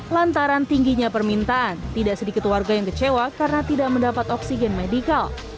lantaran tingginya permintaan tidak sedikit warga yang kecewa karena tidak mendapat oksigen medikal